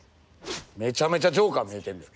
めちゃめちゃジョーカー見えてんで。